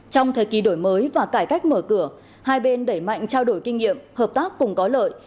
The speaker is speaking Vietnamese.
trong thời kỳ đổi mới và cải cách mở cửa hai bên đẩy mạnh trao đổi kinh nghiệm hợp tác cùng có lợi